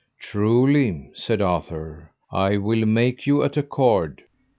Truly, said Arthur, I will make you at accord.